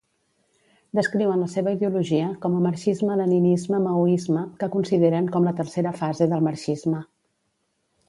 Descriuen la seva ideologia com a "marxisme-leninisme-maoisme", que consideren com la tercera fase del marxisme.